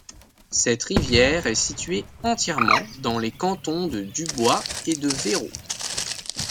Cette rivière est située entièrement dans les cantons de Dubois et de Verreau.